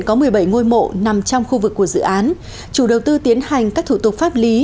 có một mươi bảy ngôi mộ nằm trong khu vực của dự án chủ đầu tư tiến hành các thủ tục pháp lý